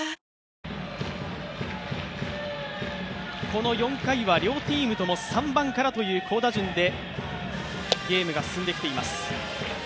この４回は両チームとも３番からという好打順でゲームが進んできています。